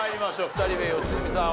２人目良純さん